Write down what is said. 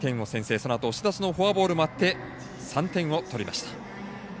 そのあと押し出しのフォアボールもあって３点を取りました。